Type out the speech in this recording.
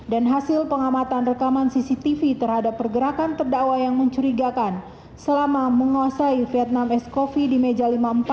dan hasil pengamatan rekaman cctv terhadap pergerakan terdakwa yang mencurigakan selama menguasai vietnam ice coffee di meja lima puluh empat